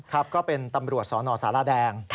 ครับก็เป็นตำรวจสอนอนสาระแดง